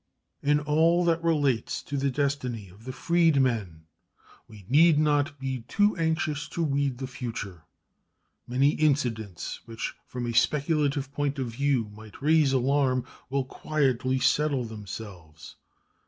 In all that relates to the destiny of the freedmen we need not be too anxious to read the future; many incidents which, from a speculative point of view, might raise alarm will quietly settle themselves.